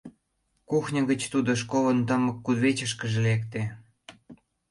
Кухньо гыч тудо школын тымык кудывечышкыже лекте.